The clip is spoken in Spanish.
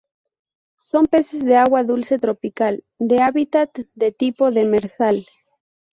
Son peces de agua dulce tropical, de hábitat de tipo demersal.